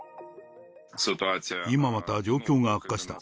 今また状況が悪化した。